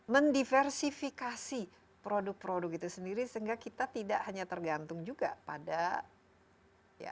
mendiversifikasi produk produk itu sendiri sehingga kita tidak hanya tergantung juga pada ya